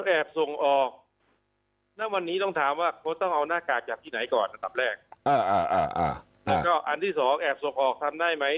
แอบส่งออกวันนี้ต้องถามว่าต้องเอาหน้ากากจากที่ไหนก่อนอันที่สองแอบส่งออกทำได้ไหม